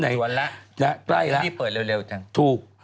ในที่สุด